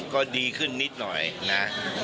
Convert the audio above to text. ก็ดีขึ้นนิดหน่อยนะ